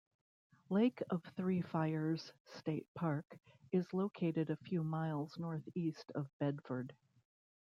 Lake of Three Fires State Park is located a few miles northeast of Bedford.